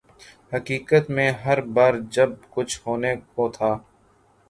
حقیقت میں ہر بار جب کچھ ہونے کو تھا۔